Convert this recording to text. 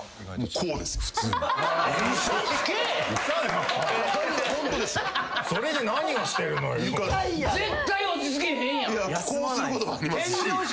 こうすることもありますし。